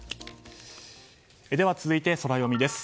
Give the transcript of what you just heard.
では、続いてソラよみです。